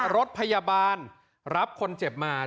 รถพยาบาลรับคนเจ็บมา